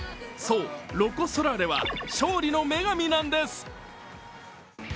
そう、ロコ・ソラーレは勝利の女神なんです。